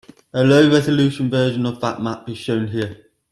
A low resolution version of that map is shown here.